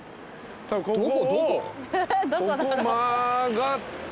ここを曲がって。